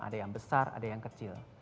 ada yang besar ada yang kecil